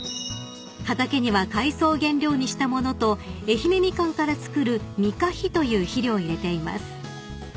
［畑には海藻を原料にした物と愛媛ミカンから作るみかひという肥料を入れています］